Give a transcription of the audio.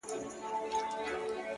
ډك د ميو جام مي د زړه ور مــات كړ.!